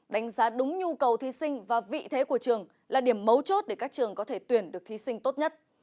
đánh giá đúng nhu cầu thí sinh và vị thế của trường là điểm mấu chốt để các trường có thể tuyển được thí sinh tốt nhất